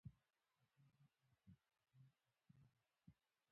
اقتصادي وده مثبتو ګامونو ته اړتیا لري.